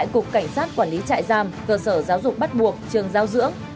cảnh sát quản lý trại giam cơ sở giáo dục bắt buộc trường giao dưỡng